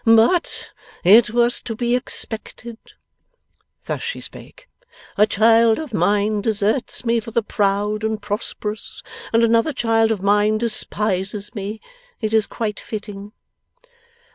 'But it was to be expected;' thus she spake. 'A child of mine deserts me for the proud and prosperous, and another child of mine despises me. It is quite fitting.